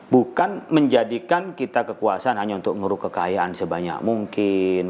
bukan menjadikan kita kekuasaan hanya untuk ngeruk kekayaan sebanyak mungkin